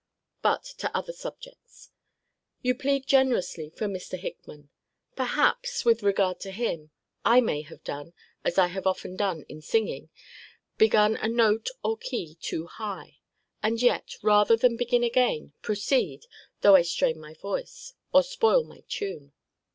But to other subjects: You plead generously for Mr. Hickman. Perhaps, with regard to him, I may have done, as I have often done in singing begun a note or key too high; and yet, rather than begin again, proceed, though I strain my voice, or spoil my tune.